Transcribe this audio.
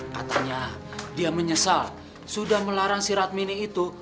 katanya dia menyesal sudah melarang si radmini itu